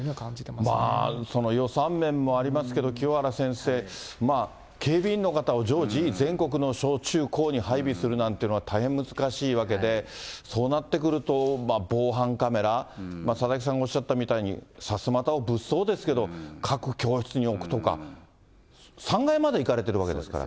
まあその予算面もありますけど、清原先生、警備員の方を常時全国の小中高に配備するなんていうのは大変難しいわけで、そうなってくると、防犯カメラ、佐々木さんがおっしゃったみたいに、さすまたを物騒ですけど、各教室に置くとか、３階まで行かれてるわけですから。